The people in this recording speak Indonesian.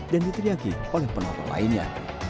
dan diteriaki oleh penonton lainnya